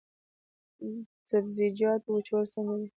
د سبزیجاتو وچول څنګه دي؟